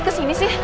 ke sini sih